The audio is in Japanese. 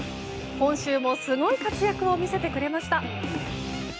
今週も、すごい活躍を見せてくれました。